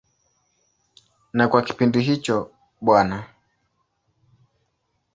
Na kwa kipindi hicho Bw.